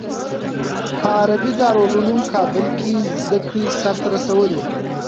په عربي دارالعلوم کابل کې زده کړې سر ته رسولي.